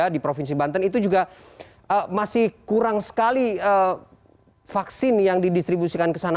di provinsi banten itu juga masih kurang sekali vaksin yang didistribusikan ke sana